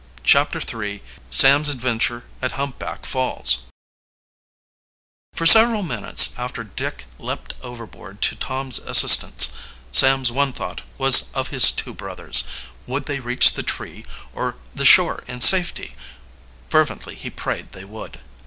CHAPTER III SAMS ADVENTURE AT HUMPBACK FALLS For several minutes after Dick leaped overboard to Tom's assistance, Sam's one thought was of his two brothers. Would they reach the tree or the shore in safety? Fervently he prayed they would.